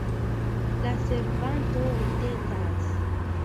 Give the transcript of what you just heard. La servanto ridetas.